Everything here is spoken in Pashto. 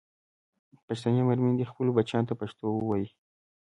پښتنې مېرمنې دې خپلو بچیانو ته پښتو ویې ویي.